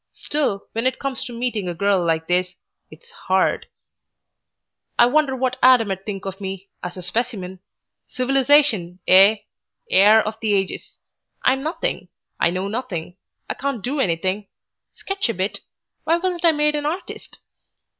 Still, when it comes to meeting a girl like this It's 'ARD. "I wonder what Adam'd think of me as a specimen. Civilisation, eigh? Heir of the ages! I'm nothing. I know nothing. I can't do anything sketch a bit. Why wasn't I made an artist?